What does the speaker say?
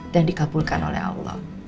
dan dikabulkan oleh allah